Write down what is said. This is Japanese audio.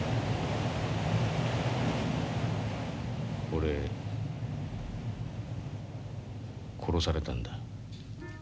俺殺されたんだ。